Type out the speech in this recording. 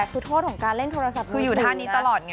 คือโทษของการเล่นโทรศัพท์คืออยู่ท่านี้ตลอดไง